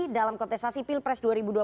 dalam kontestasi pilpres dua ribu dua puluh